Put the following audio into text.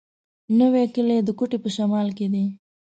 نوی کلی د کوټي په شمال کي دی.